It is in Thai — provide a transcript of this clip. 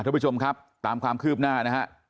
ท่านผู้ชมครับตามความคืบหน้านะฮะ